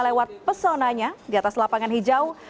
lewat pesonanya di atas lapangan hijau